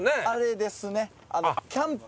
あれですね。